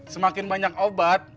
semakin banyak obat